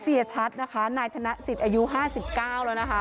เสียชัดนะคะนายธนสิทธิ์อายุห้าสิบเก้าแล้วนะคะ